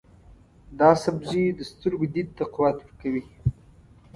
دا سبزی د سترګو دید ته قوت ورکوي.